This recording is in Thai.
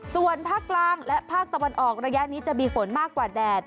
ส่วนภาคกลางและภาคตะวันออกระยะนี้จะมีฝนมากกว่าแดด